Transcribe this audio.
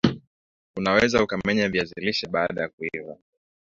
una weza ukamenya viazi lishe baada ya kuiva